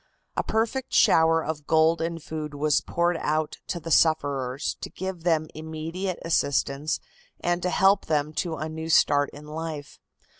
A perfect shower of gold and food was poured out to the sufferers to give them immediate assistance and to help them to a new start in life.